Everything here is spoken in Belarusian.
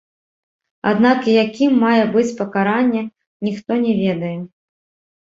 Аднак якім мае быць пакаранне, ніхто не ведае.